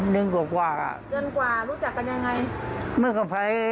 เดือนกว่ารู้จักกันยังไง